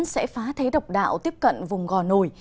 sẽ phá thế độc đạo tiếp cận vùng gò nổi